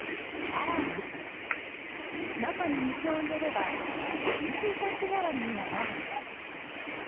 更に、中に水を入れれば給水タンク代わりにもなるんです。